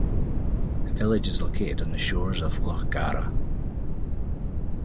The village is located on the shores of Lough Gara.